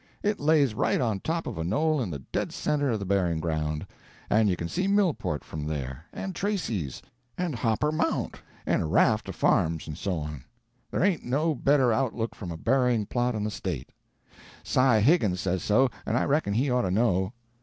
It lays right on top of a knoll in the dead center of the buryin' ground; and you can see Millport from there, and Tracy's, and Hopper Mount, and a raft o' farms, and so on. There ain't no better outlook from a buryin' plot in the state. Si Higgins says so, and I reckon he ought to know.